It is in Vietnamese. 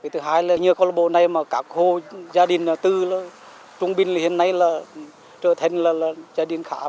thứ hai là như cộng lộ bộ này mà các khu gia đình tư trung bình hiện nay là trở thành là gia đình khá